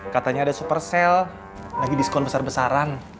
katanya ada super cele lagi diskon besar besaran